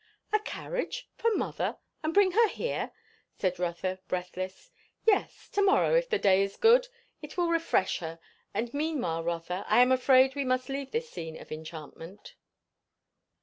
"A carriage? For mother? And bring her here?" said Rotha breathless. "Yes, to morrow, if the day is good. It will refresh her. And meanwhile, Rotha, I am afraid we must leave this scene of enchantment."